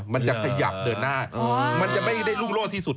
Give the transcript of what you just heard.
มันจะขยับเดินหน้ามันจะไม่ได้รุ่งโลศที่สุด